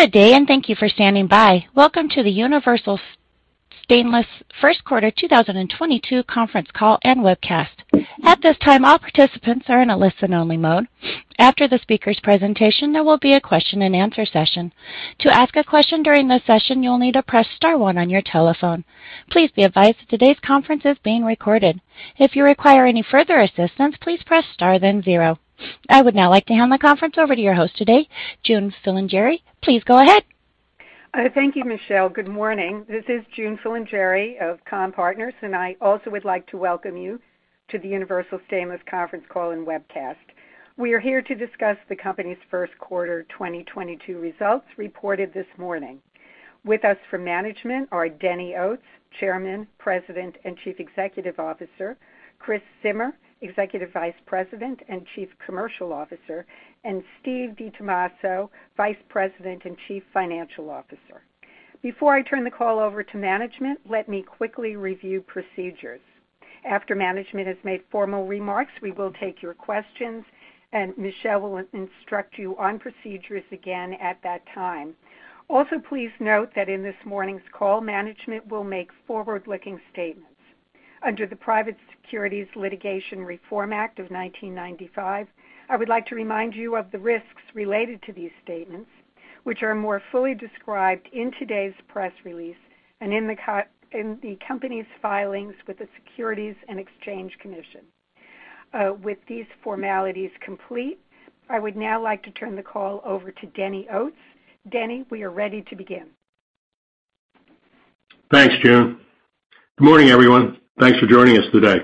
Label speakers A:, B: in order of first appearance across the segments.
A: Good day, thank you for standing by. Welcome to the Universal Stainless Q1 2022 Conference Call and Webcast. At this time, all participants are in a listen only mode. After the speaker's presentation, there will be a question and answer session. To ask a question during this session, you'll need to press star one on your telephone. Please be advised that today's conference is being recorded. If you require any further assistance, please press star then zero. I would now like to hand the conference over to your host today, June Filingeri. Please go ahead.
B: Thank you, Michelle. Good morning. This is June Filingeri of Comm-Partners, and I also would like to welcome you to the Universal Stainless Conference Call and Webcast. We are here to discuss the company's first quarter 2022 results reported this morning. With us for management are Denny Oates, Chairman, President, and Chief Executive Officer, Chris Zimmer, Executive Vice President and Chief Commercial Officer, and Steve DiTomasso, Vice President and Chief Financial Officer. Before I turn the call over to management, let me quickly review procedures. After management has made formal remarks, we will take your questions, and Michelle will instruct you on procedures again at that time. Also, please note that in this morning's call, management will make forward-looking statements. Under the Private Securities Litigation Reform Act of 1995, I would like to remind you of the risks related to these statements, which are more fully described in today's press release and in the company's filings with the Securities and Exchange Commission. With these formalities complete, I would now like to turn the call over to Denny Oates. Denny, we are ready to begin.
C: Thanks, June. Good morning, everyone. Thanks for joining us today.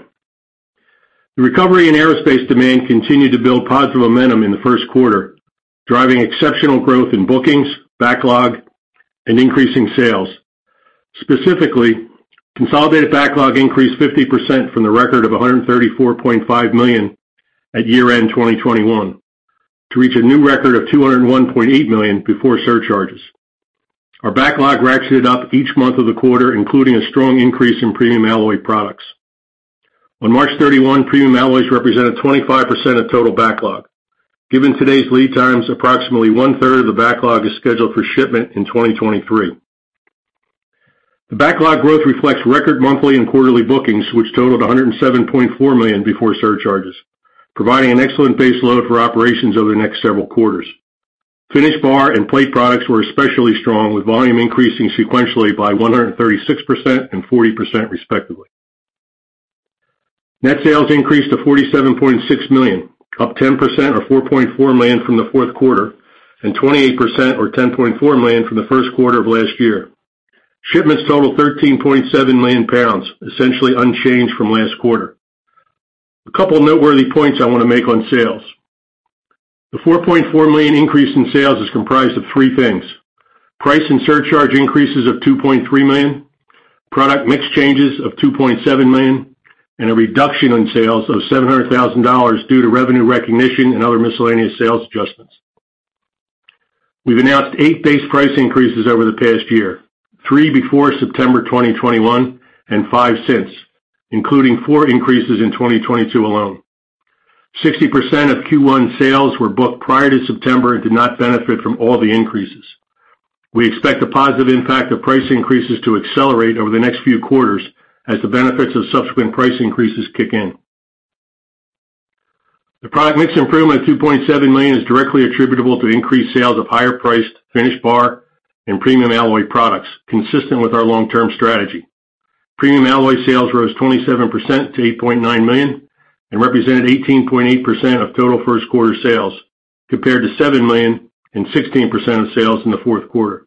C: The recovery in aerospace demand continued to build positive momentum in the first quarter, driving exceptional growth in bookings, backlog, and increasing sales. Specifically, consolidated backlog increased 50% from the record of $134.5 million at year-end 2021 to reach a new record of $201.8 million before surcharges. Our backlog ratcheted up each month of the quarter, including a strong increase in premium alloy products. On March 31, premium alloys represented 25% of total backlog. Given today's lead times, approximately one-third of the backlog is scheduled for shipment in 2023. The backlog growth reflects record monthly and quarterly bookings, which totaled $107.4 million before surcharges, providing an excellent base load for operations over the next several quarters. Finished bar and plate products were especially strong, with volume increasing sequentially by 136% and 40%, respectively. Net sales increased to $47.6 million, up 10% or $4.4 million from the fourth quarter, and 28% or $10.4 million from the first quarter of last year. Shipments totaled 13.7 million pounds, essentially unchanged from last quarter. A couple of noteworthy points I want to make on sales. The $4.4 million increase in sales is comprised of three things. Price and surcharge increases of $2.3 million, product mix changes of $2.7 million, and a reduction in sales of $700,000 due to revenue recognition and other miscellaneous sales adjustments. We've announced 8 base price increases over the past year, 3 before September 2021 and 5 since, including 4 increases in 2022 alone. 60% of Q1 sales were booked prior to September and did not benefit from all the increases. We expect the positive impact of price increases to accelerate over the next few quarters as the benefits of subsequent price increases kick in. The product mix improvement of $2.7 million is directly attributable to increased sales of higher priced finished bar and premium alloy products, consistent with our long-term strategy. Premium alloy sales rose 27% to $8.9 million and represented 18.8% of total first quarter sales, compared to $7 million and 16% of sales in the fourth quarter.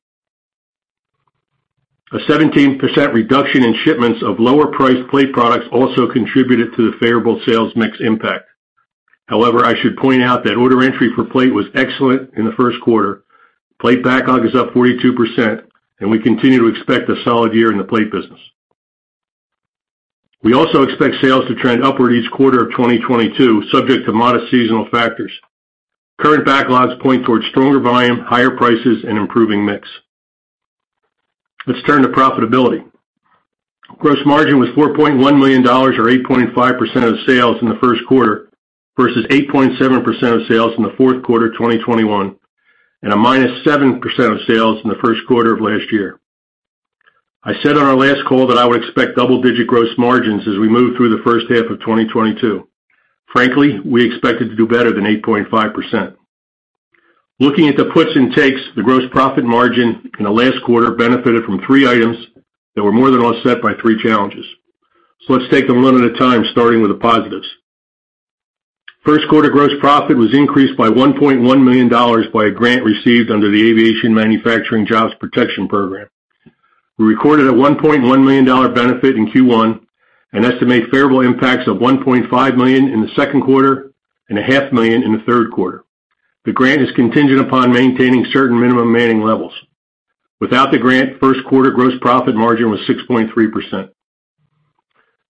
C: A 17% reduction in shipments of lower priced plate products also contributed to the favorable sales mix impact. However, I should point out that order entry for plate was excellent in the first quarter. Plate backlog is up 42%, and we continue to expect a solid year in the plate business. We also expect sales to trend upward each quarter of 2022, subject to modest seasonal factors. Current backlogs point towards stronger volume, higher prices, and improving mix. Let's turn to profitability. Gross margin was $4.1 million or 8.5% of sales in the first quarter versus 8.7% of sales in the fourth quarter of 2021, and a -7% of sales in the first quarter of last year. I said on our last call that I would expect double-digit gross margins as we move through the first half of 2022. Frankly, we expected to do better than 8.5%. Looking at the puts and takes, the gross profit margin in the last quarter benefited from three items that were more than offset by three challenges. Let's take them one at a time, starting with the positives. First quarter gross profit was increased by $1.1 million by a grant received under the Aviation Manufacturing Jobs Protection Program. We recorded a $1.1 million benefit in Q1 and estimate favorable impacts of $1.5 million in the second quarter and a half million in the third quarter. The grant is contingent upon maintaining certain minimum manning levels. Without the grant, first quarter gross profit margin was 6.3%.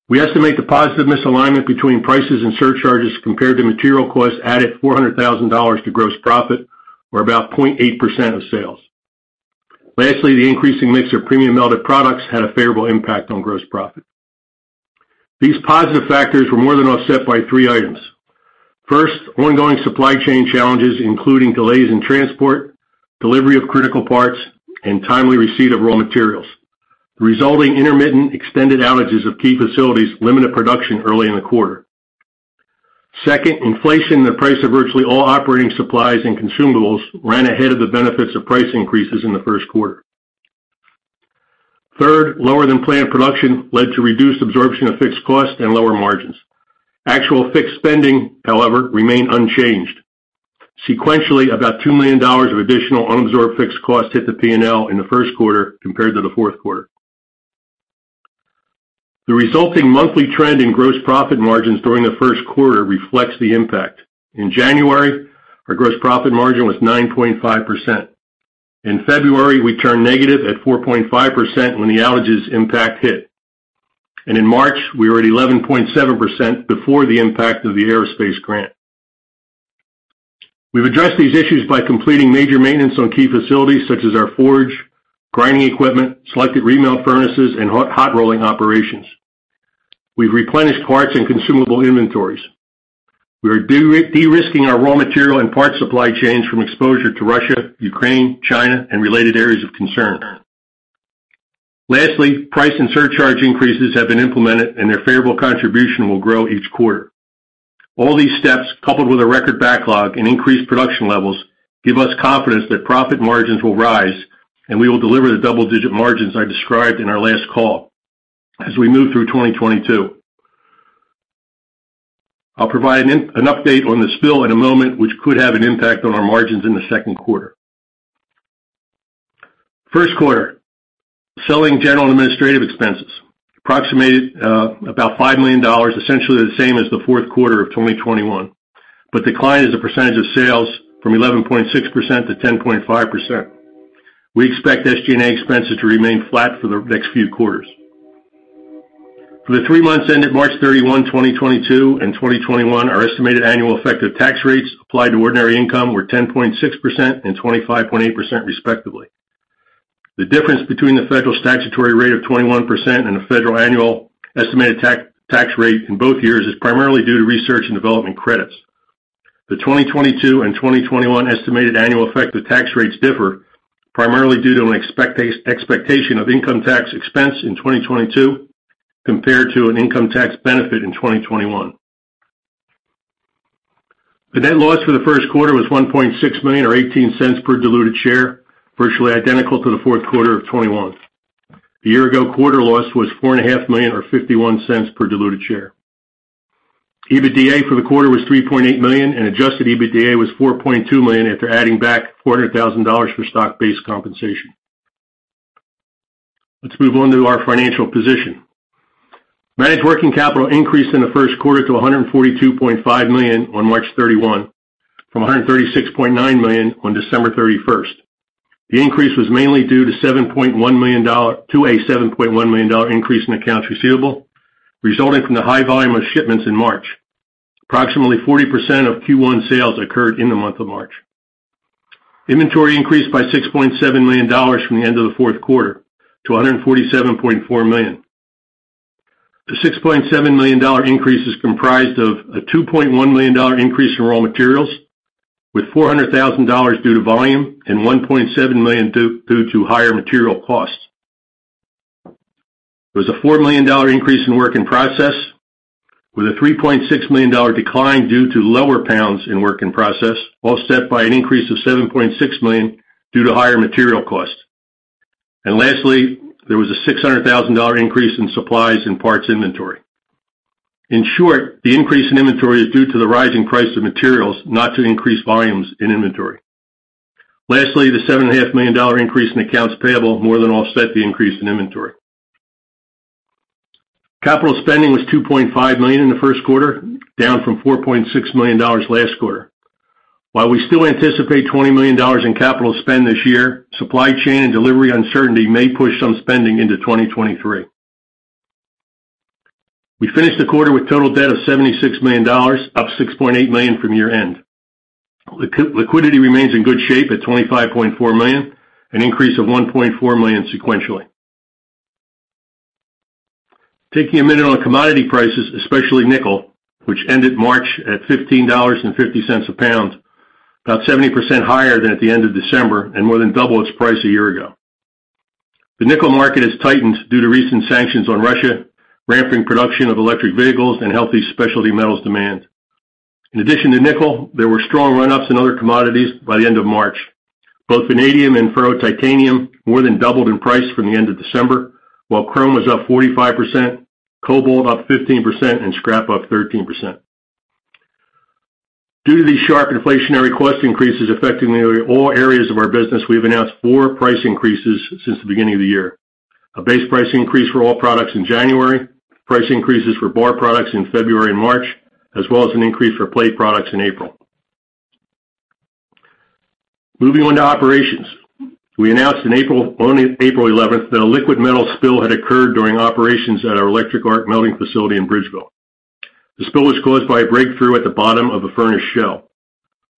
C: We estimate the positive misalignment between prices and surcharges compared to material costs added $400,000 to gross profit, or about 0.8% of sales. Lastly, the increasing mix of premium melted products had a favorable impact on gross profit. These positive factors were more than offset by three items. First, ongoing supply chain challenges, including delays in transport, delivery of critical parts, and timely receipt of raw materials. The resulting intermittent extended outages of key facilities limited production early in the quarter. Second, inflation in the price of virtually all operating supplies and consumables ran ahead of the benefits of price increases in the first quarter. Third, lower than planned production led to reduced absorption of fixed costs and lower margins. Actual fixed spending, however, remained unchanged. Sequentially, about $2 million of additional unabsorbed fixed costs hit the P&L in the first quarter compared to the fourth quarter. The resulting monthly trend in gross profit margins during the first quarter reflects the impact. In January, our gross profit margin was 9.5%. In February, we turned negative at 4.5% when the outages impact hit. In March, we were at 11.7% before the impact of the aerospace grant. We've addressed these issues by completing major maintenance on key facilities such as our forge, grinding equipment, selected remelt furnaces, and hot rolling operations. We've replenished parts and consumable inventories. We are de-risking our raw material and parts supply chains from exposure to Russia, Ukraine, China, and related areas of concern. Lastly, price and surcharge increases have been implemented, and their favorable contribution will grow each quarter. All these steps, coupled with a record backlog and increased production levels, give us confidence that profit margins will rise, and we will deliver the double-digit margins I described in our last call as we move through 2022. I'll provide an update on the spill in a moment, which could have an impact on our margins in the second quarter. In the first quarter, selling, general, and administrative expenses approximated about $5 million, essentially the same as the fourth quarter of 2021, but declined as a percentage of sales from 11.6% to 10.5%. We expect SG&A expenses to remain flat for the next few quarters. For the three months ended March 31, 2022, and 2021, our estimated annual effective tax rates applied to ordinary income were 10.6% and 25.8% respectively. The difference between the federal statutory rate of 21% and the federal annual estimated tax rate in both years is primarily due to research and development credits. The 2022 and 2021 estimated annual effective tax rates differ primarily due to an expectation of income tax expense in 2022 compared to an income tax benefit in 2021. The net loss for the first quarter was $1.6 million or $0.18 per diluted share, virtually identical to the fourth quarter of 2021. The year-ago quarter loss was $4.5 million or $0.51 per diluted share. EBITDA for the quarter was $3.8 million, and adjusted EBITDA was $4.2 million after adding back $400,000 for stock-based compensation. Let's move on to our financial position. Managed working capital increased in the first quarter to $142.5 million on March 31 from $136.9 million on December 31. The increase was mainly due to a $7.1 million increase in accounts receivable resulting from the high volume of shipments in March. Approximately 40% of Q1 sales occurred in the month of March. Inventory increased by $6.7 million from the end of the fourth quarter to $147.4 million. The $6.7 million increase is comprised of a $2.1 million increase in raw materials, with $400,000 due to volume and $1.7 million due to higher material costs. There was a $4 million increase in work in process, with a $3.6 million decline due to lower pounds in work in process, offset by an increase of $7.6 million due to higher material costs. Lastly, there was a $600,000 increase in supplies and parts inventory. In short, the increase in inventory is due to the rising price of materials, not to increased volumes in inventory. Lastly, the $7.5 million increase in accounts payable more than offset the increase in inventory. Capital spending was $2.5 million in the first quarter, down from $4.6 million last quarter. While we still anticipate $20 million in capital spend this year, supply chain and delivery uncertainty may push some spending into 2023. We finished the quarter with total debt of $76 million, up $6.8 million from year-end. Liquidity remains in good shape at $25.4 million, an increase of $1.4 million sequentially. Taking a minute on commodity prices, especially nickel, which ended March at $15.50 a pound, about 70% higher than at the end of December and more than double its price a year ago. The nickel market has tightened due to recent sanctions on Russia, ramping production of electric vehicles, and healthy specialty metals demand. In addition to nickel, there were strong run-ups in other commodities by the end of March. Both vanadium and ferrotitanium more than doubled in price from the end of December, while chrome was up 45%, cobalt up 15%, and scrap up 13%. Due to these sharp inflationary cost increases affecting all areas of our business, we've announced 4 price increases since the beginning of the year. A base price increase for all products in January, price increases for bar products in February and March, as well as an increase for plate products in April. Moving on to operations. We announced on April 11, that a liquid metal spill had occurred during operations at our electric arc melting facility in Bridgeville. The spill was caused by a breakthrough at the bottom of a furnace shell.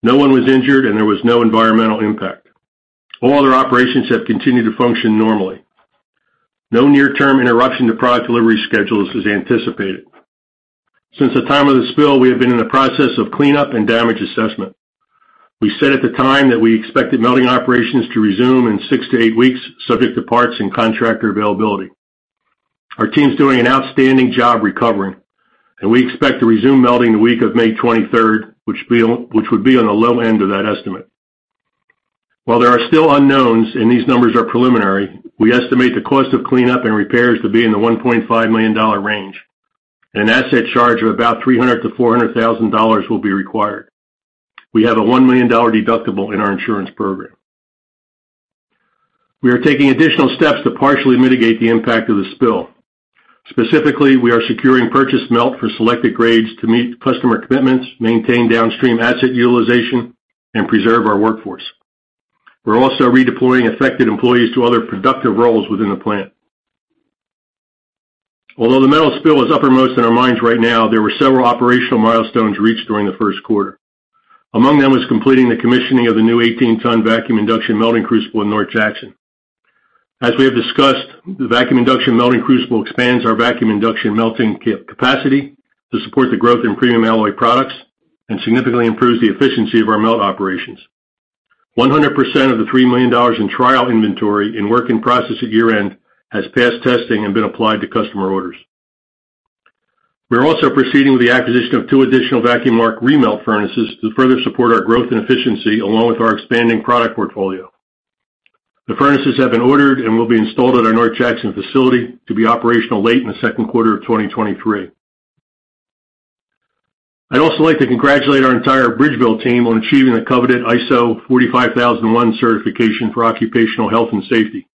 C: No one was injured, and there was no environmental impact. All other operations have continued to function normally. No near-term interruption to product delivery schedules is anticipated. Since the time of the spill, we have been in the process of cleanup and damage assessment. We said at the time that we expected melting operations to resume in 6-8 weeks, subject to parts and contractor availability. Our team's doing an outstanding job recovering, and we expect to resume melting the week of May 23, which would be on the low end of that estimate. While there are still unknowns and these numbers are preliminary, we estimate the cost of cleanup and repairs to be in the $1.5 million range, and an asset charge of about $300,000-$400,000 will be required. We have a $1 million deductible in our insurance program. We are taking additional steps to partially mitigate the impact of the spill. Specifically, we are securing purchased melt for selected grades to meet customer commitments, maintain downstream asset utilization, and preserve our workforce. We're also redeploying affected employees to other productive roles within the plant. Although the metal spill is uppermost in our minds right now, there were several operational milestones reached during the first quarter. Among them was completing the commissioning of the new 18-ton vacuum induction melting crucible in North Jackson. As we have discussed, the vacuum induction melting crucible expands our vacuum induction melting capacity to support the growth in premium alloy products and significantly improves the efficiency of our melt operations. 100% of the $3 million in trial inventory and work in process at year-end has passed testing and been applied to customer orders. We are also proceeding with the acquisition of two additional vacuum arc remelt furnaces to further support our growth and efficiency along with our expanding product portfolio. The furnaces have been ordered and will be installed at our North Jackson facility to be operational late in the second quarter of 2023. I'd also like to congratulate our entire Bridgeville team on achieving the coveted ISO 45001 certification for occupational health and safety.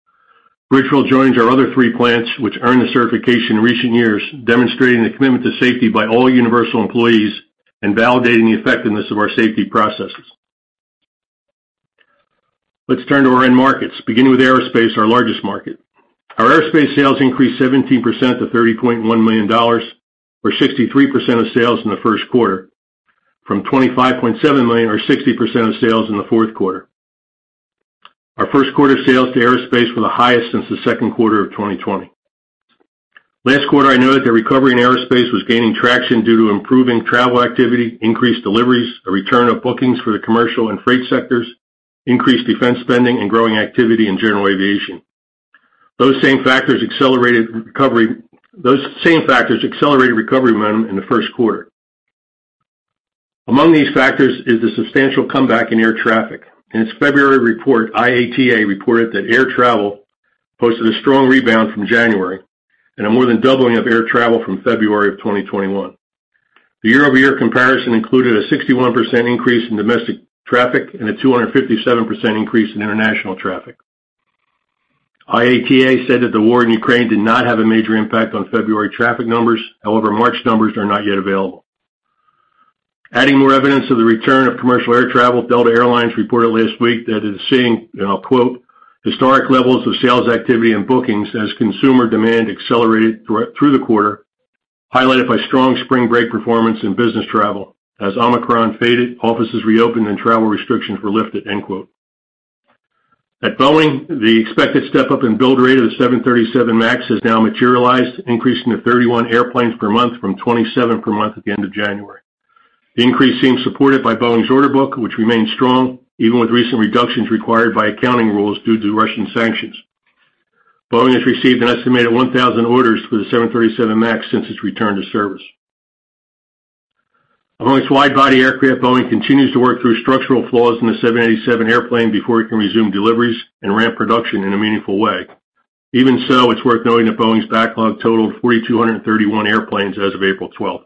C: Bridgeville joins our other three plants which earned the certification in recent years, demonstrating the commitment to safety by all Universal employees and validating the effectiveness of our safety processes. Let's turn to our end markets, beginning with aerospace, our largest market. Our aerospace sales increased 17% to $30.1 million, or 63% of sales in the first quarter from $25.7 million or 60% of sales in the fourth quarter. Our first quarter sales to aerospace were the highest since the second quarter of 2020. Last quarter, I noted that recovery in aerospace was gaining traction due to improving travel activity, increased deliveries, a return of bookings for the commercial and freight sectors, increased defense spending, and growing activity in general aviation. Those same factors accelerated recovery momentum in the first quarter. Among these factors is the substantial comeback in air traffic. In its February report, IATA reported that air travel posted a strong rebound from January and a more than doubling of air travel from February of 2021. The year-over-year comparison included a 61% increase in domestic traffic and a 257% increase in international traffic. IATA said that the war in Ukraine did not have a major impact on February traffic numbers. However, March numbers are not yet available. Adding more evidence of the return of commercial air travel, Delta Air Lines reported last week that it is seeing, and I'll quote, "Historic levels of sales activity and bookings as consumer demand accelerated through the quarter, highlighted by strong spring break performance in business travel as Omicron faded, offices reopened and travel restrictions were lifted." End quote. At Boeing, the expected step-up in build rate of the 737 MAX has now materialized, increasing to 31 airplanes per month from 27 per month at the end of January. The increase seems supported by Boeing's order book, which remains strong even with recent reductions required by accounting rules due to Russian sanctions. Boeing has received an estimated 1,000 orders for the 737 MAX since its return to service. Among its wide-body aircraft, Boeing continues to work through structural flaws in the 787 airplane before it can resume deliveries and ramp production in a meaningful way. Even so, it's worth noting that Boeing's backlog totaled 4,231 airplanes as of April 12.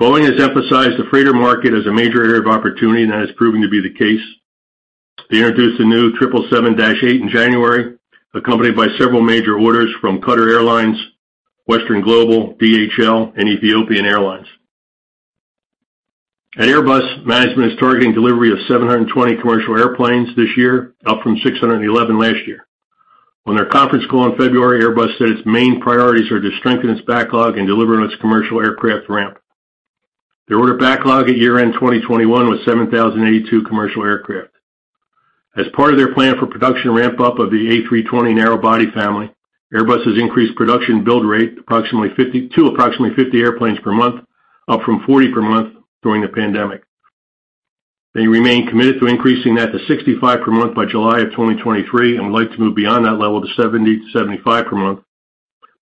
C: Boeing has emphasized the freighter market as a major area of opportunity, and that has proven to be the case. They introduced the new 777-8 in January, accompanied by several major orders from Qatar Airways, Western Global, DHL, and Ethiopian Airlines. At Airbus, management is targeting delivery of 720 commercial airplanes this year, up from 611 last year. On their conference call in February, Airbus said its main priorities are to strengthen its backlog and deliver on its commercial aircraft ramp. Their order backlog at year-end 2021 was 7,082 commercial aircraft. As part of their plan for production ramp-up of the A320 narrow-body family, Airbus has increased production build rate approximately 50 to approximately 50 airplanes per month, up from 40 per month during the pandemic. They remain committed to increasing that to 65 per month by July of 2023 and would like to move beyond that level to 70-75 per month,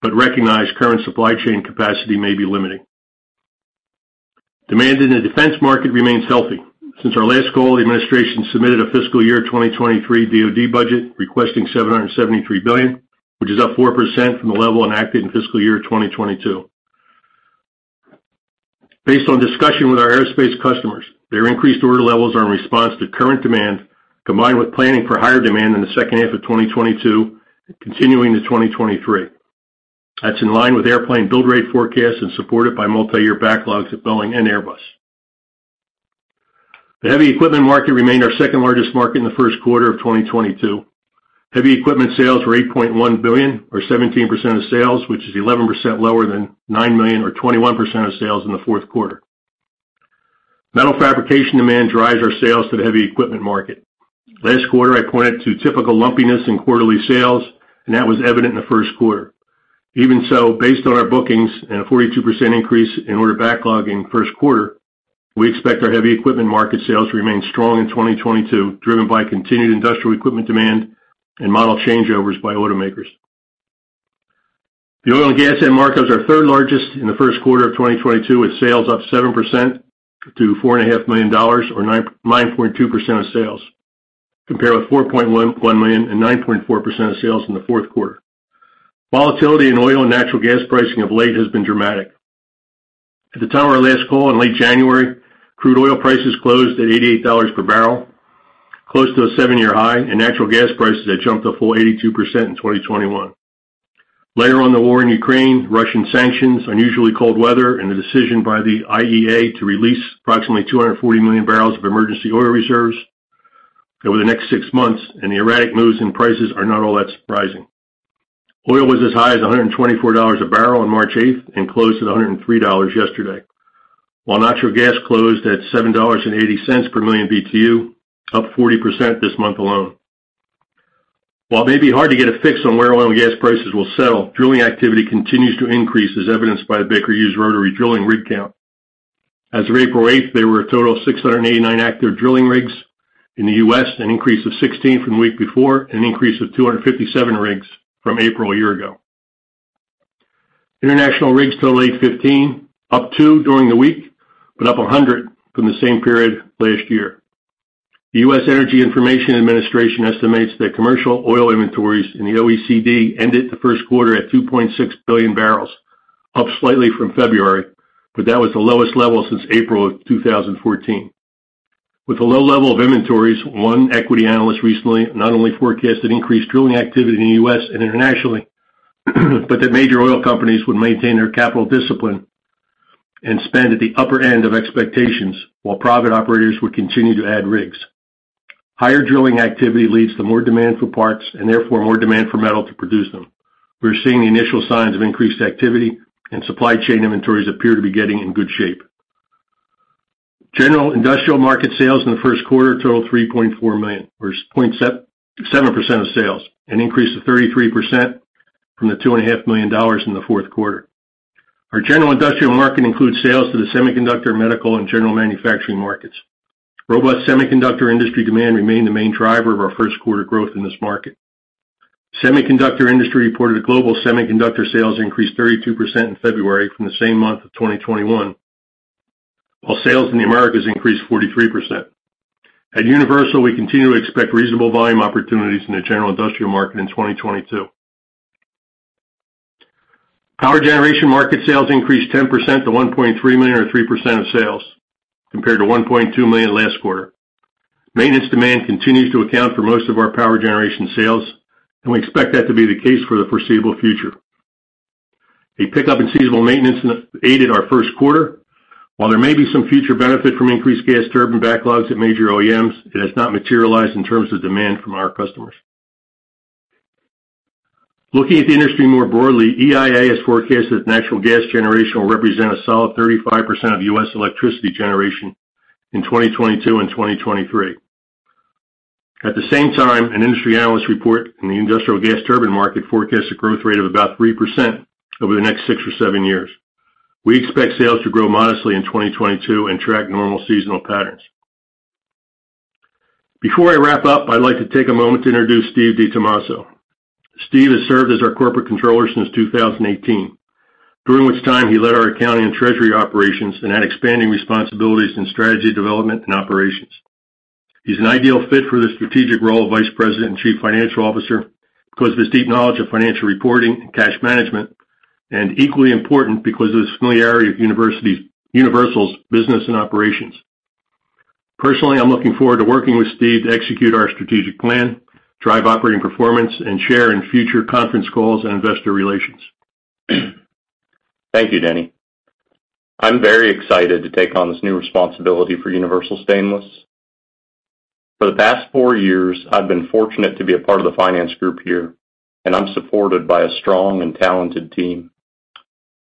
C: but recognize current supply chain capacity may be limiting. Demand in the defense market remains healthy. Since our last call, the administration submitted a fiscal year 2023 DoD budget requesting $773 billion, which is up 4% from the level enacted in fiscal year 2022. Based on discussion with our aerospace customers, their increased order levels are in response to current demand, combined with planning for higher demand in the second half of 2022, continuing to 2023. That's in line with airplane build rate forecasts and supported by multi-year backlogs at Boeing and Airbus. The heavy equipment market remained our second largest market in the first quarter of 2022. Heavy equipment sales were $8.1 million or 17% of sales, which is 11% lower than $9 million or 21% of sales in the fourth quarter. Metal fabrication demand drives our sales to the heavy equipment market. Last quarter, I pointed to typical lumpiness in quarterly sales, and that was evident in the first quarter. Even so, based on our bookings and a 42% increase in order backlog in first quarter, we expect our heavy equipment market sales to remain strong in 2022, driven by continued industrial equipment demand and model changeovers by automakers. The oil and gas end market was our third largest in the first quarter of 2022, with sales up 7% to $4.5 million or 9.2% of sales, compared with $4.1 million and 9.4% of sales in the fourth quarter. Volatility in oil and natural gas pricing of late has been dramatic. At the time of our last call in late January, crude oil prices closed at $88 per barrel, close to a seven-year high, and natural gas prices had jumped a full 82% in 2021. Later on, the war in Ukraine, Russian sanctions, unusually cold weather, and the decision by the IEA to release approximately 240 million barrels of emergency oil reserves over the next six months, and the erratic moves in prices are not all that surprising. Oil was as high as $124 a barrel on March 8 and closed at $103 yesterday. While natural gas closed at $7.80 per million BTU, up 40% this month alone. While it may be hard to get a fix on where oil and gas prices will settle, drilling activity continues to increase as evidenced by the Baker Hughes rotary drilling rig count. As of April 8, there were a total of 689 active drilling rigs in the U.S., an increase of 16 from the week before, an increase of 257 rigs from April a year ago. International rigs total 815, up 2 during the week, but up 100 from the same period last year. The U.S. Energy Information Administration estimates that commercial oil inventories in the OECD ended the first quarter at 2.6 billion barrels, up slightly from February, but that was the lowest level since April 2014. With a low level of inventories, one equity analyst recently not only forecasted increased drilling activity in the U.S. and internationally, but that major oil companies would maintain their capital discipline and spend at the upper end of expectations while private operators would continue to add rigs. Higher drilling activity leads to more demand for parts, and therefore more demand for metal to produce them. We are seeing the initial signs of increased activity, and supply chain inventories appear to be getting in good shape. General industrial market sales in the first quarter totaled $3.4 million, or 0.7% of sales, an increase of 33% from the $2.5 million in the fourth quarter. Our general industrial market includes sales to the semiconductor, medical, and general manufacturing markets. Robust semiconductor industry demand remained the main driver of our first quarter growth in this market. Semiconductor industry reported global semiconductor sales increased 32% in February from the same month of 2021, while sales in the Americas increased 43%. At Universal, we continue to expect reasonable volume opportunities in the general industrial market in 2022. Power generation market sales increased 10% to $1.3 million or 3% of sales compared to $1.2 million last quarter. Maintenance demand continues to account for most of our power generation sales, and we expect that to be the case for the foreseeable future. A pickup in seasonal maintenance aided our first quarter. While there may be some future benefit from increased gas turbine backlogs at major OEMs, it has not materialized in terms of demand from our customers. Looking at the industry more broadly, EIA has forecasted that natural gas generation will represent a solid 35% of U.S. electricity generation in 2022 and 2023. At the same time, an industry analyst report in the industrial gas turbine market forecasts a growth rate of about 3% over the next six or seven years. We expect sales to grow modestly in 2022 and track normal seasonal patterns. Before I wrap up, I'd like to take a moment to introduce Steve DiTommaso. Steve has served as our corporate controller since 2018, during which time he led our accounting and treasury operations and had expanding responsibilities in strategy development and operations. He's an ideal fit for the strategic role of Vice President and Chief Financial Officer because of his deep knowledge of financial reporting and cash management, and equally important, because of his familiarity of Universal's business and operations. Personally, I'm looking forward to working with Steve to execute our strategic plan, drive operating performance, and share in future conference calls and investor relations.
D: Thank you, Denny. I'm very excited to take on this new responsibility for Universal Stainless. For the past four years, I've been fortunate to be a part of the finance group here, and I'm supported by a strong and talented team.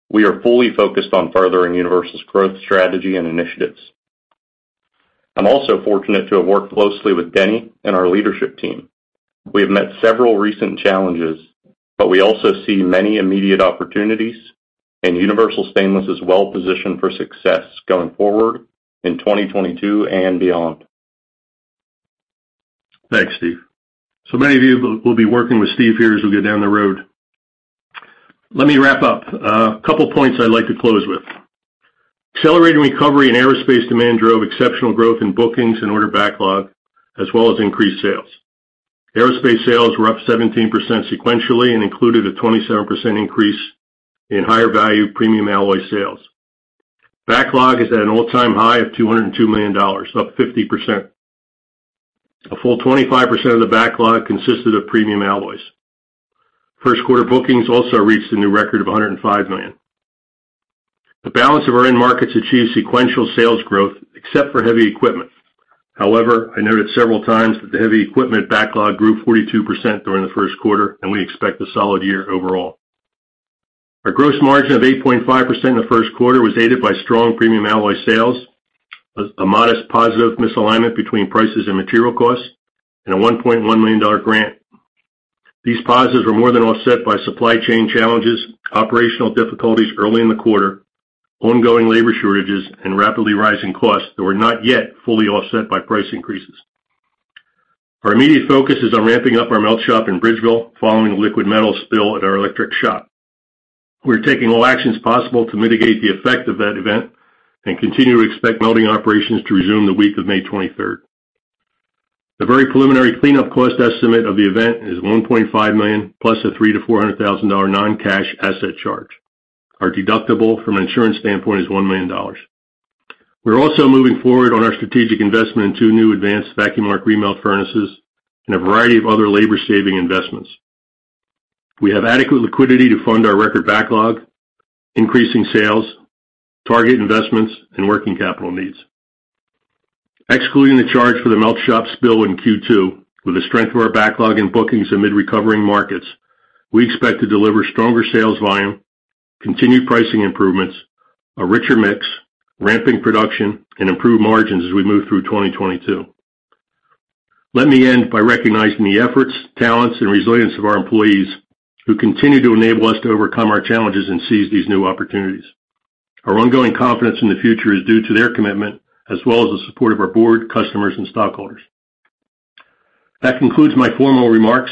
D: We are fully focused on furthering Universal's growth strategy and initiatives. I'm also fortunate to have worked closely with Denny and our leadership team. We have met several recent challenges, but we also see many immediate opportunities, and Universal Stainless is well positioned for success going forward in 2022 and beyond.
C: Thanks, Steve. Many of you will be working with Steve here as we go down the road. Let me wrap up. A couple points I'd like to close with. Accelerated recovery in aerospace demand drove exceptional growth in bookings and order backlog, as well as increased sales. Aerospace sales were up 17% sequentially and included a 27% increase in higher value premium alloy sales. Backlog is at an all-time high of $202 million, up 50%. A full 25% of the backlog consisted of premium alloys. First quarter bookings also reached a new record of $105 million. The balance of our end markets achieved sequential sales growth except for heavy equipment. However, I noted several times that the heavy equipment backlog grew 42% during the first quarter, and we expect a solid year overall. Our gross margin of 8.5% in the first quarter was aided by strong premium alloy sales, a modest positive misalignment between prices and material costs, and a $1.1 million grant. These positives were more than offset by supply chain challenges, operational difficulties early in the quarter, ongoing labor shortages, and rapidly rising costs that were not yet fully offset by price increases. Our immediate focus is on ramping up our melt shop in Bridgeville following a liquid metal spill at our electric shop. We're taking all actions possible to mitigate the effect of that event and continue to expect melting operations to resume the week of May 23. The very preliminary cleanup cost estimate of the event is $1.5 million, plus a $300,000-$400,000 non-cash asset charge. Our deductible from an insurance standpoint is $1 million. We're also moving forward on our strategic investment in two new advanced vacuum arc remelt furnaces and a variety of other labor-saving investments. We have adequate liquidity to fund our record backlog, increasing sales, target investments, and working capital needs. Excluding the charge for the melt shop spill in Q2, with the strength of our backlog in bookings amid recovering markets, we expect to deliver stronger sales volume, continued pricing improvements, a richer mix, ramping production, and improved margins as we move through 2022. Let me end by recognizing the efforts, talents, and resilience of our employees who continue to enable us to overcome our challenges and seize these new opportunities. Our ongoing confidence in the future is due to their commitment as well as the support of our board, customers, and stockholders. That concludes my formal remarks.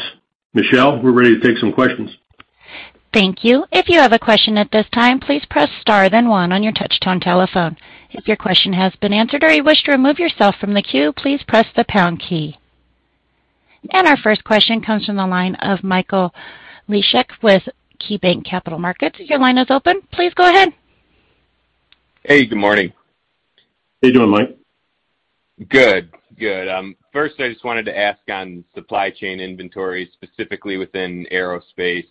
C: Michelle, we're ready to take some questions.
A: Thank you. If you have a question at this time, please press star then one on your touchtone telephone. If your question has been answered or you wish to remove yourself from the queue, please press the pound key. Our first question comes from the line of Michael Leshock with KeyBanc Capital Markets. Your line is open. Please go ahead.
E: Hey, good morning.
C: How you doing, Mike?
E: Good. Good. First I just wanted to ask on supply chain inventory, specifically within aerospace,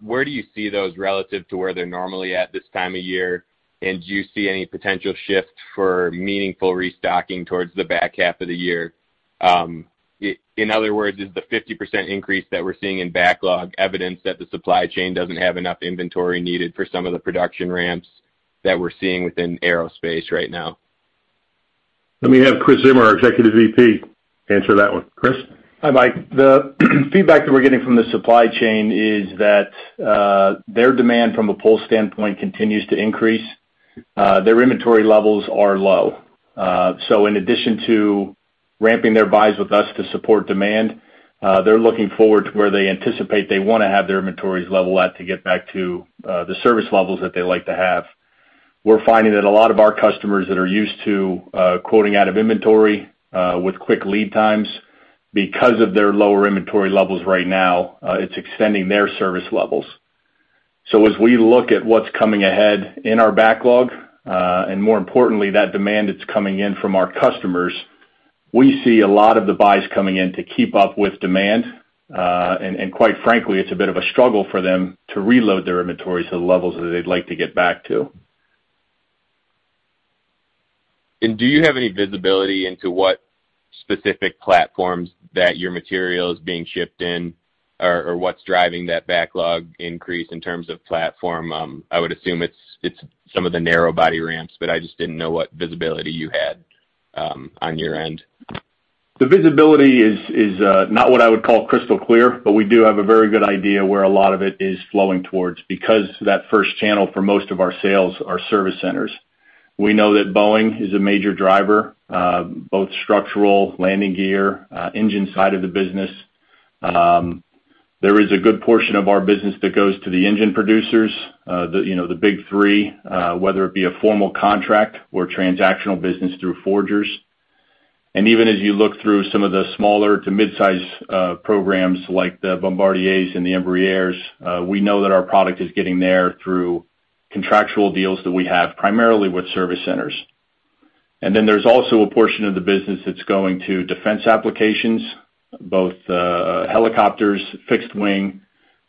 E: where do you see those relative to where they're normally at this time of year? Do you see any potential shift for meaningful restocking towards the back half of the year? In other words, is the 50% increase that we're seeing in backlog evidence that the supply chain doesn't have enough inventory needed for some of the production ramps that we're seeing within aerospace right now?
C: Let me have Chris Zimmer, our Executive VP, answer that one. Chris?
F: Hi, Mike. The feedback that we're getting from the supply chain is that, their demand from a pull standpoint continues to increase. Their inventory levels are low. In addition to ramping their buys with us to support demand, they're looking forward to where they anticipate they wanna have their inventories level at to get back to, the service levels that they like to have. We're finding that a lot of our customers that are used to, quoting out of inventory, with quick lead times because of their lower inventory levels right now, it's extending their service levels. As we look at what's coming ahead in our backlog, and more importantly, that demand that's coming in from our customers, we see a lot of the buys coming in to keep up with demand. Quite frankly, it's a bit of a struggle for them to reload their inventory to the levels that they'd like to get back to.
E: Do you have any visibility into what specific platforms that your material is being shipped in or what's driving that backlog increase in terms of platform? I would assume it's some of the narrow body ramps, but I just didn't know what visibility you had on your end.
F: The visibility is not what I would call crystal clear, but we do have a very good idea where a lot of it is flowing towards because that first channel for most of our sales are service centers. We know that Boeing is a major driver both structural, landing gear, engine side of the business. There is a good portion of our business that goes to the engine producers, the you know the big three, whether it be a formal contract or transactional business through forgers. Even as you look through some of the smaller to mid-size programs like the Bombardier and the Embraer, we know that our product is getting there through contractual deals that we have primarily with service centers. There's also a portion of the business that's going to defense applications, both helicopters, fixed wing.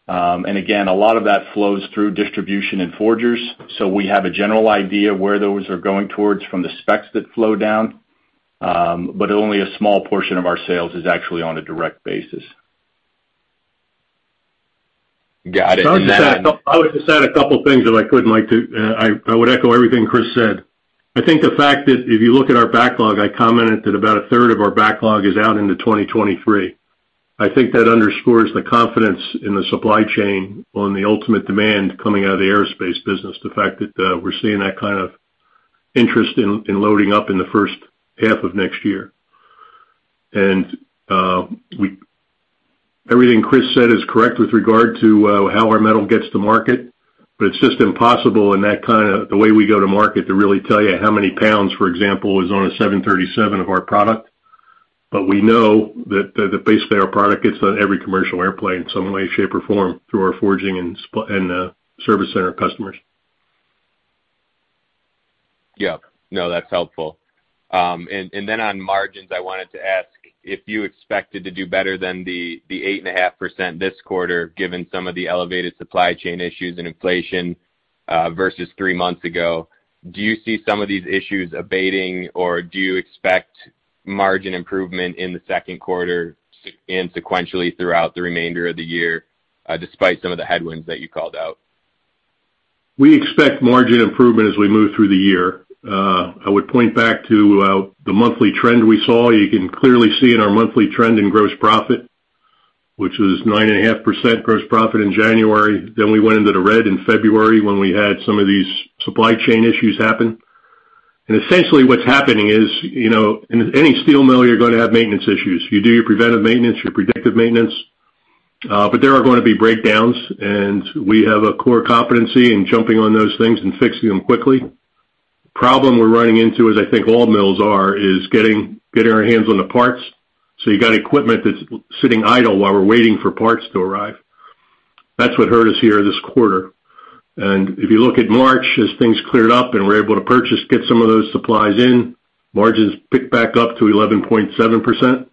F: Again, a lot of that flows through distribution and forgers. We have a general idea where those are going towards from the specs that flow down, but only a small portion of our sales is actually on a direct basis.
E: Got it.
C: I would just add a couple things if I could, Mike. I would echo everything Chris said. I think the fact that if you look at our backlog, I commented that about a third of our backlog is out into 2023. I think that underscores the confidence in the supply chain on the ultimate demand coming out of the aerospace business, the fact that we're seeing that kind of interest in loading up in the first half of next year. Everything Chris said is correct with regard to how our metal gets to market, but it's just impossible in that kind of the way we go to market to really tell you how many pounds, for example, is on a 737 of our product. We know that basically our product gets on every commercial airplane in some way, shape, or form through our forging and service center customers.
E: Yeah. No, that's helpful. And then on margins, I wanted to ask if you expected to do better than the 8.5% this quarter, given some of the elevated supply chain issues and inflation, versus three months ago. Do you see some of these issues abating, or do you expect margin improvement in the second quarter and sequentially throughout the remainder of the year, despite some of the headwinds that you called out?
C: We expect margin improvement as we move through the year. I would point back to the monthly trend we saw. You can clearly see in our monthly trend in gross profit, which was 9.5% gross profit in January. Then we went into the red in February when we had some of these supply chain issues happen. Essentially what's happening is, you know, in any steel mill, you're gonna have maintenance issues. You do your preventive maintenance, your predictive maintenance, but there are gonna be breakdowns, and we have a core competency in jumping on those things and fixing them quickly. The problem we're running into, as I think all mills are, is getting our hands on the parts. So you got equipment that's sitting idle while we're waiting for parts to arrive. That's what hurt us here this quarter. If you look at March, as things cleared up and we're able to purchase, get some of those supplies in, margins picked back up to 11.7%.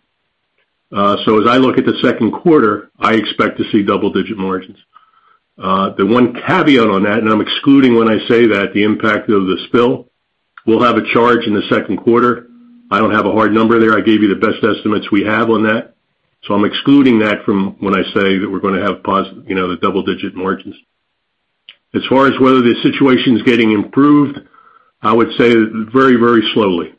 C: So as I look at the second quarter, I expect to see double-digit margins. The one caveat on that, and I'm excluding when I say that, the impact of the spill, we'll have a charge in the second quarter. I don't have a hard number there. I gave you the best estimates we have on that. So I'm excluding that from when I say that we're gonna have you know, the double-digit margins. As far as whether the situation's getting improved, I would say very, very slowly.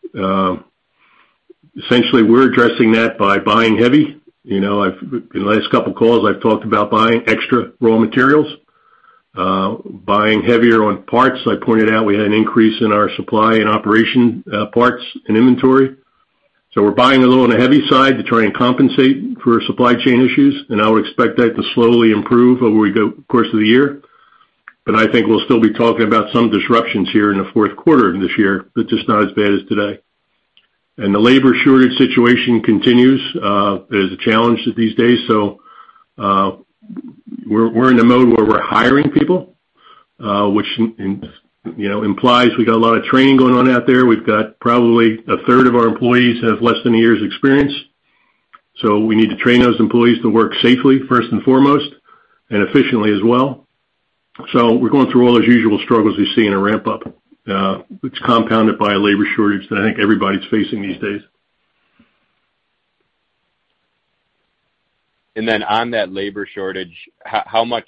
C: Essentially, we're addressing that by buying heavy. You know, in the last couple of calls I've talked about buying extra raw materials, buying heavier on parts. I pointed out we had an increase in our supply and operations, parts and inventory. We're buying a little on the heavy side to try and compensate for supply chain issues, and I would expect that to slowly improve over the course of the year. I think we'll still be talking about some disruptions here in the fourth quarter this year, but just not as bad as today. The labor shortage situation continues. That is a challenge these days, so we're in a mode where we're hiring people, which implies, you know, we got a lot of training going on out there. We've got probably a third of our employees have less than a year's experience. We need to train those employees to work safely, first and foremost, and efficiently as well. We're going through all those usual struggles you see in a ramp-up, which compounded by a labor shortage that I think everybody's facing these days.
E: On that labor shortage, how much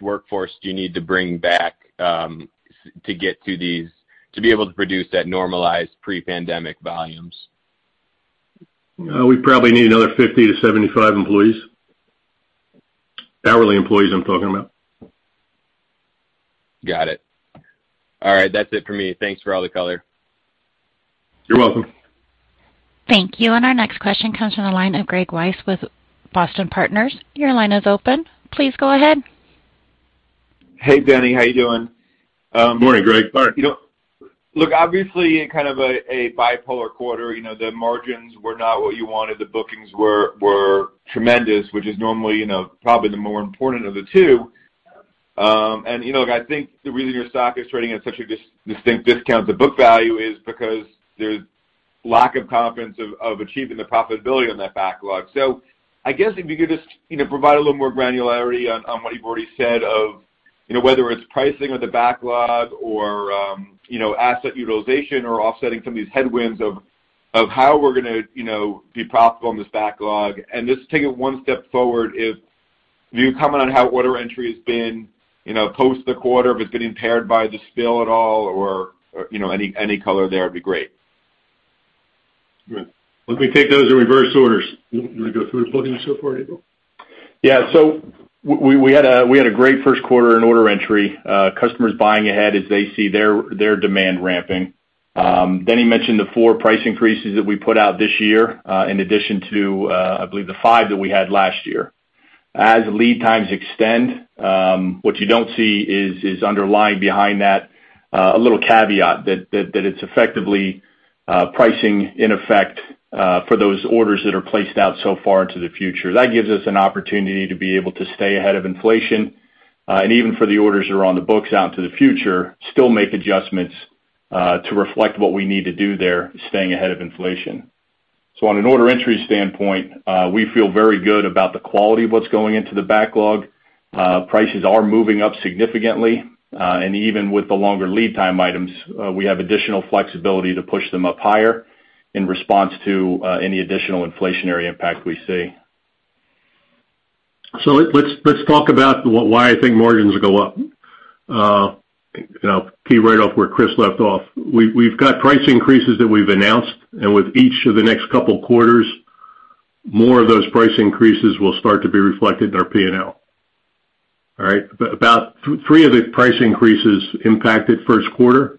E: workforce do you need to bring back to get to these to be able to produce that normalized pre-pandemic volumes?
C: We probably need another 50-75 employees. Hourly employees, I'm talking about.
E: Got it. All right. That's it for me. Thanks for all the color.
C: You're welcome.
A: Thank you. Our next question comes from the line of Gregory Weiss with Boston Partners. Your line is open. Please go ahead.
G: Hey, Denny. How are you doing?
C: Morning, Greg. Sorry.
G: You know, look, obviously, kind of a bipolar quarter, you know, the margins were not what you wanted. The bookings were tremendous, which is normally, you know, probably the more important of the two. You know, I think the reason your stock is trading at such a distinct discount to book value is because there's lack of confidence of achieving the profitability on that backlog. I guess if you could just, you know, provide a little more granularity on what you've already said of, you know, whether it's pricing or the backlog or, you know, asset utilization or offsetting some of these headwinds of how we're gonna, you know, be profitable in this backlog. Just take it one step forward, if you comment on how order entry has been, you know, post the quarter, if it's been impaired by the spill at all or, you know, any color there would be great.
C: Let me take those in reverse orders. You wanna go through the bookings so far, Chris Zimmer?
F: Yeah. We had a great first quarter in order entry. Customers buying ahead as they see their demand ramping. Denny mentioned the four price increases that we put out this year, in addition to, I believe, the five that we had last year. As lead times extend, what you don't see is underlying behind that, a little caveat that it's effectively pricing in effect, for those orders that are placed out so far into the future. That gives us an opportunity to be able to stay ahead of inflation, and even for the orders that are on the books out into the future, still make adjustments, to reflect what we need to do there, staying ahead of inflation. On an order entry standpoint, we feel very good about the quality of what's going into the backlog. Prices are moving up significantly, and even with the longer lead time items, we have additional flexibility to push them up higher in response to any additional inflationary impact we see.
C: Let's talk about why I think margins go up. I'll key right off where Chris left off. We've got price increases that we've announced, and with each of the next couple quarters, more of those price increases will start to be reflected in our P&L. All right. About three of the price increases impacted first quarter,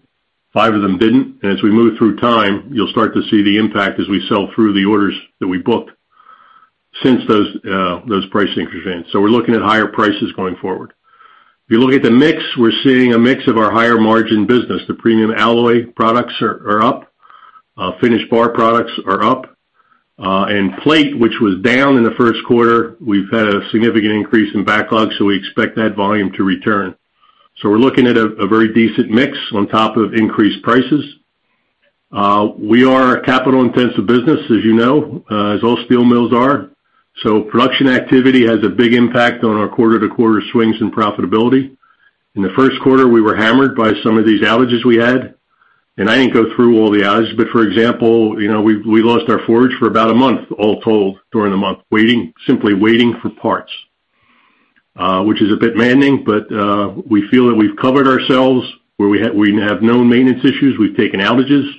C: five of them didn't. As we move through time, you'll start to see the impact as we sell through the orders that we booked since those price increases in. We're looking at higher prices going forward. If you look at the mix, we're seeing a mix of our higher margin business. The premium alloy products are up. Finished bar products are up. Plate, which was down in the first quarter, we've had a significant increase in backlog, so we expect that volume to return. We're looking at a very decent mix on top of increased prices. We are a capital-intensive business, as you know, as all steel mills are. Production activity has a big impact on our quarter-to-quarter swings and profitability. In the first quarter, we were hammered by some of these outages we had, and I didn't go through all the outages. For example, you know, we lost our forge for about a month, all told, during the month, waiting, simply waiting for parts. Which is a bit maddening, but we feel that we've covered ourselves, where we have no maintenance issues. We've taken outages.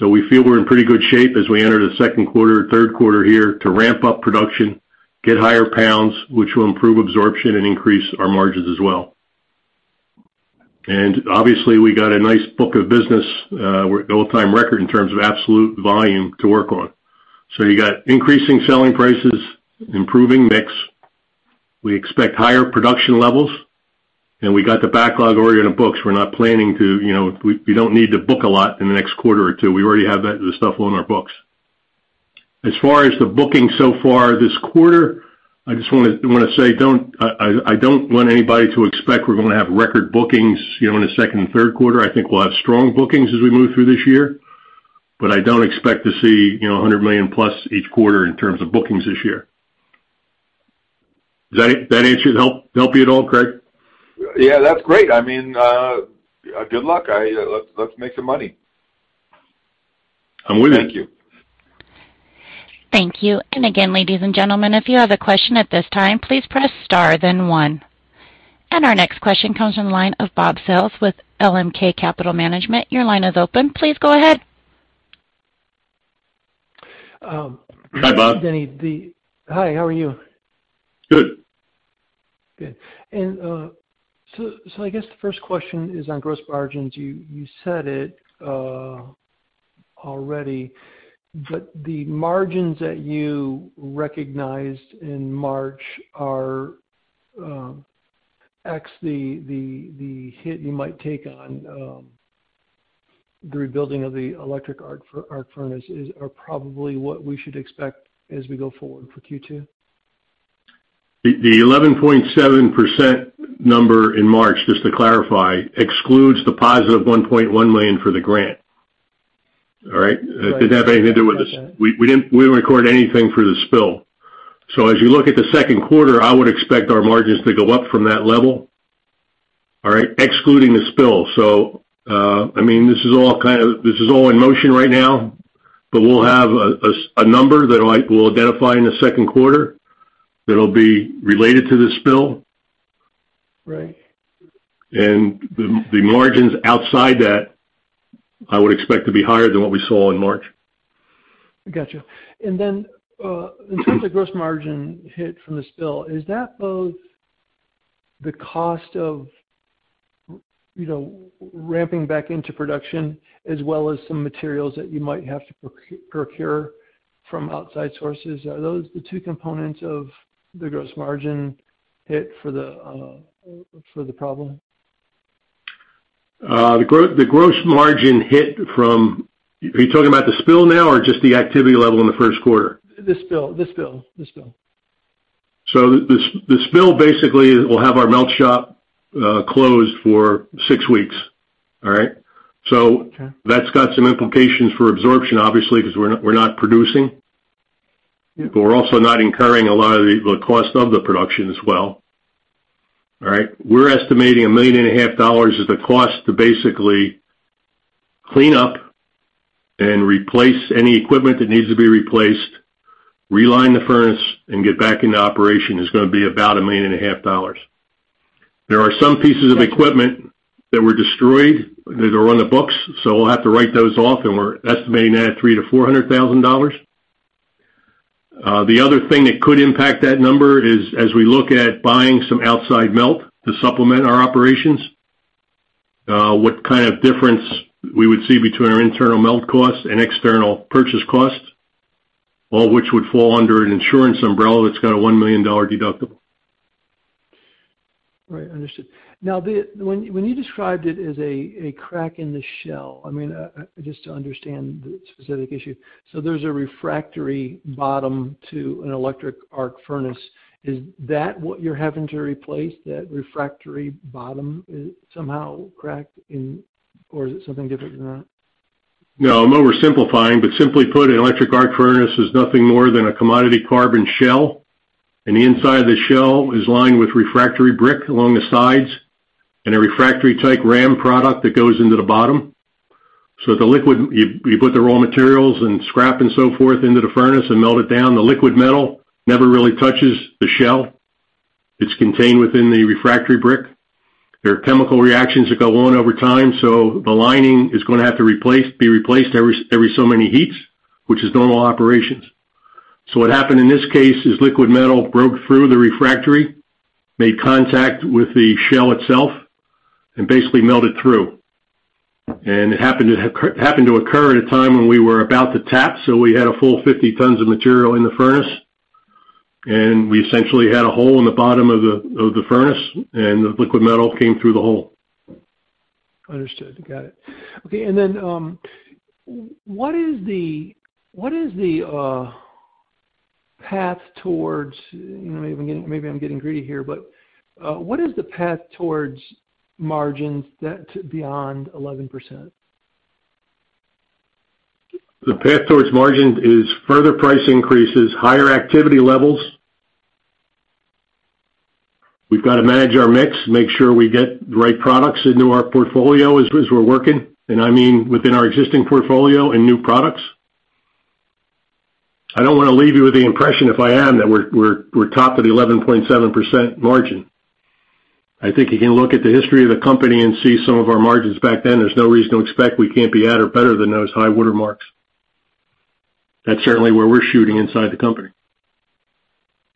C: We feel we're in pretty good shape as we enter the second quarter, third quarter here to ramp up production, get higher pounds, which will improve absorption and increase our margins as well. And obviously, we got a nice book of business, we're at an all-time record in terms of absolute volume to work on. You got increasing selling prices, improving mix. We expect higher production levels, and we got the backlog already on the books. We're not planning. You know, we don't need to book a lot in the next quarter or two. We already have that, the stuff on our books. As far as the booking so far this quarter, I just wanna say I don't want anybody to expect we're gonna have record bookings, you know, in the second and third quarter. I think we'll have strong bookings as we move through this year, but I don't expect to see, you know, $100 million-plus each quarter in terms of bookings this year. Does that answer help you at all, Greg?
G: Yeah, that's great. I mean, good luck. Let's make some money.
C: I'm with you.
G: Thank you.
A: Thank you. Again, ladies and gentlemen, if you have a question at this time, please press star then one. Our next question comes from the line of Bob Sales with LMK Capital Management. Your line is open. Please go ahead.
C: Hi, Bob.
H: Denny, hi, how are you?
C: Good.
H: Good. I guess the first question is on gross margins. You said it already, but the margins that you recognized in March are ex the hit you might take on the rebuilding of the electric arc furnace are probably what we should expect as we go forward for Q2.
C: The 11.7% number in March, just to clarify, excludes the positive $1.1 million for the grant. All right?
H: Right.
C: It didn't have anything to do with the spill. We didn't record anything for the spill. As you look at the second quarter, I would expect our margins to go up from that level, all right? Excluding the spill. I mean, this is all kind of in motion right now, but we'll have a number that I will identify in the second quarter that'll be related to the spill.
H: Right.
C: The margins outside that, I would expect to be higher than what we saw in March.
H: Gotcha. In terms of gross margin hit from the spill, is that both the cost of, you know, ramping back into production as well as some materials that you might have to procure from outside sources? Are those the two components of the gross margin hit for the problem?
C: The gross margin hit from. Are you talking about the spill now or just the activity level in the first quarter?
H: The spill.
C: The spill basically will have our melt shop closed for six weeks. All right.
H: Okay.
C: That's got some implications for absorption, obviously, 'cause we're not producing.
H: Yeah.
C: We're also not incurring a lot of the cost of the production as well. All right? We're estimating $1.5 million as a cost to basically clean up and replace any equipment that needs to be replaced, realign the furnace, and get back into operation is gonna be about $1.5 million. There are some pieces of equipment that were destroyed that are on the books, so we'll have to write those off, and we're estimating that at $300,000-$400,000. The other thing that could impact that number is, as we look at buying some outside melt to supplement our operations, what kind of difference we would see between our internal melt costs and external purchase costs, all of which would fall under an insurance umbrella that's got a $1 million deductible.
H: Right. Understood. Now, when you described it as a crack in the shell, I mean, just to understand the specific issue. There's a refractory bottom to an electric arc furnace. Is that what you're having to replace, that refractory bottom is somehow cracked in, or is it something different than that?
C: No. I know we're simplifying, but simply put, an electric arc furnace is nothing more than a commodity carbon shell, and the inside of the shell is lined with refractory brick along the sides and a refractory-type ram product that goes into the bottom. The liquid, you put the raw materials and scrap and so forth into the furnace and melt it down. The liquid metal never really touches the shell. It's contained within the refractory brick. There are chemical reactions that go on over time. The lining is gonna have to be replaced every so many heats, which is normal operations. What happened in this case is liquid metal broke through the refractory, made contact with the shell itself, and basically melted through. It happened to occur at a time when we were about to tap, so we had a full 50 tons of material in the furnace, and we essentially had a hole in the bottom of the furnace, and the liquid metal came through the hole.
H: Understood. Got it. Okay, what is the path towards, you know, maybe I'm getting greedy here, but what is the path towards margins beyond 11%?
C: The path towards margins is further price increases, higher activity levels. We've got to manage our mix, make sure we get the right products into our portfolio as we're working, and I mean within our existing portfolio and new products. I don't wanna leave you with the impression, if I am, that we're topped at 11.7% margin. I think you can look at the history of the company and see some of our margins back then. There's no reason to expect we can't be at or better than those high water marks. That's certainly where we're shooting inside the company.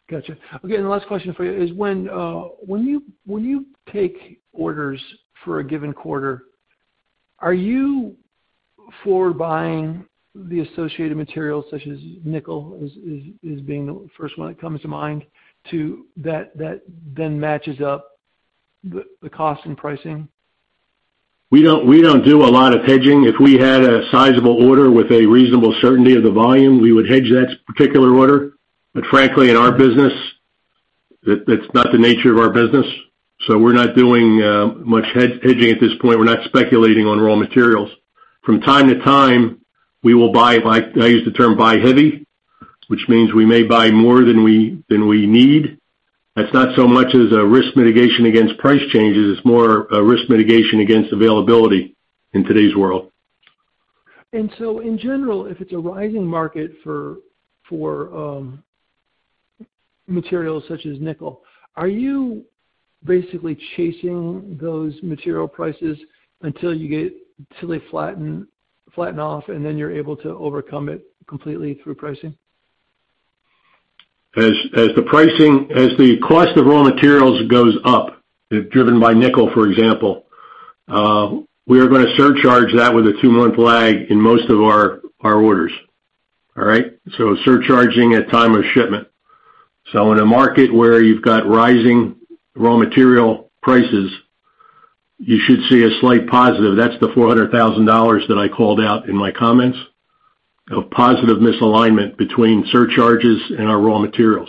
H: Gotcha. Okay, the last question for you is: when you take orders for a given quarter, are you forward buying the associated materials such as nickel as being the first one that comes to mind, to that then matches up the cost and pricing?
C: We don't do a lot of hedging. If we had a sizable order with a reasonable certainty of the volume, we would hedge that particular order. Frankly, in our business, that's not the nature of our business, so we're not doing much hedging at this point. We're not speculating on raw materials. From time to time, we will buy, like I use the term buy heavy, which means we may buy more than we need. That's not so much as a risk mitigation against price changes, it's more a risk mitigation against availability in today's world.
H: In general, if it's a rising market for materials such as nickel, are you basically chasing those material prices until they flatten off, and then you're able to overcome it completely through pricing?
C: As the cost of raw materials goes up, driven by nickel, for example, we are gonna surcharge that with a two-month lag in most of our orders. All right? Surcharging at time of shipment. In a market where you've got rising raw material prices, you should see a slight positive. That's the $400,000 that I called out in my comments of positive misalignment between surcharges and our raw materials.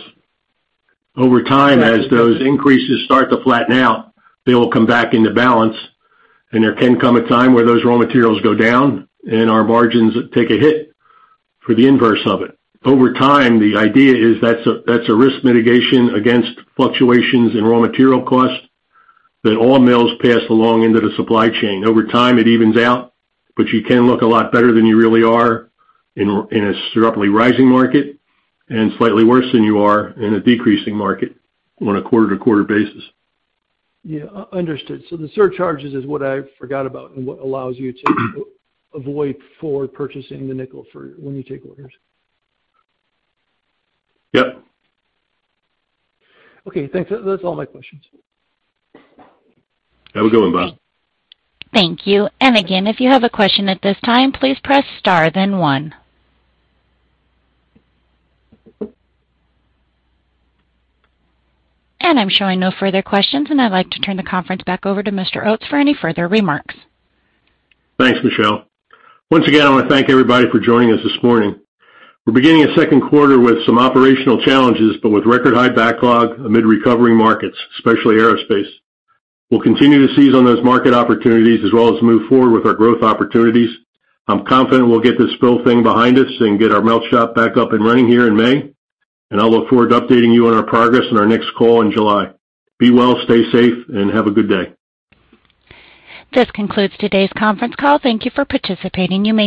C: Over time, as those increases start to flatten out, they will come back into balance, and there can come a time where those raw materials go down and our margins take a hit for the inverse of it. Over time, the idea is that's a risk mitigation against fluctuations in raw material costs that all mills pass along into the supply chain. Over time, it evens out, but you can look a lot better than you really are in a sharply rising market and slightly worse than you are in a decreasing market on a quarter-to-quarter basis.
H: Yeah. Understood. The surcharges is what I forgot about and what allows you to avoid forward purchasing the nickel for when you take orders.
C: Yep.
H: Okay, thanks. That's all my questions.
C: Have a good one, Bob.
A: Thank you. Again, if you have a question at this time, please press star then one. I'm showing no further questions, and I'd like to turn the conference back over to Mr. Oates for any further remarks.
C: Thanks, Michelle. Once again, I wanna thank everybody for joining us this morning. We're beginning a second quarter with some operational challenges, but with record high backlog amid recovering markets, especially aerospace. We'll continue to seize on those market opportunities as well as move forward with our growth opportunities. I'm confident we'll get this spill thing behind us and get our melt shop back up and running here in May, and I'll look forward to updating you on our progress in our next call in July. Be well, stay safe, and have a good day.
A: This concludes today's conference call. Thank you for participating. You may disconnect.